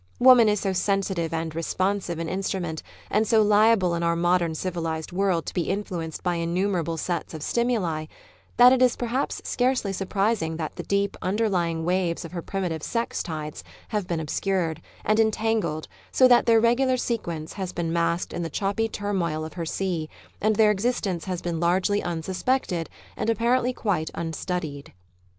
Woman is so sensitive and responsive an instru ment, and so liable in our modern civilised world to be influenced by innumerable sets of stimuli, that it is perhaps scarcely surprising that the deep, underlying waves of her primitive sex tides have been obscured, and entangled so that their regular sequence has been masked in the choppy turmoil of her sea, and their existence has been largely unsuspected, and ap parently quite unstudied.